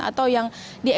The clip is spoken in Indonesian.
atau yang diekonspirasi